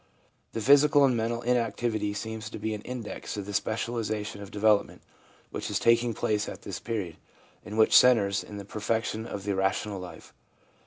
The physical and mental inactivity seems to be an index of the specialisation of development which is taking place at this period, and which centres in the perfection of the rational life.